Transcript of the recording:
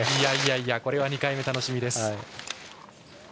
２回目、楽しみです。